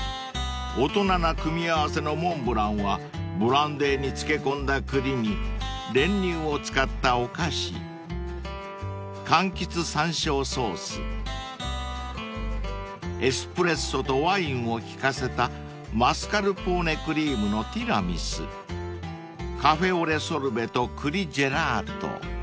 ［大人な組み合わせのモンブランはブランデーに漬け込んだ栗に練乳を使ったお菓子かんきつさんしょうソースエスプレッソとワインを利かせたマスカルポーネクリームのティラミスカフェオレソルベと栗ジェラート